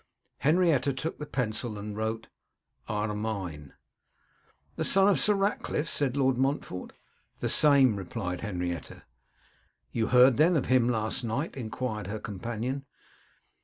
Henrietta took the pencil, and wrote, 'Armine.' 'The son of Sir Ratcliffe?' said Lord Montfort. 'The same,' replied Henrietta. 'You heard then of him last night?' enquired her companion.